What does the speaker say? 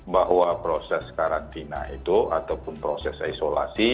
bahwa proses karantina itu ataupun proses isolasi